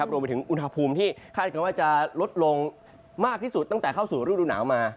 รวมไปถึงอุณหภูมิที่คาดกันว่าจะลดลงมากที่สุดตั้งแต่เข้าสู่ฤดูหนาวมา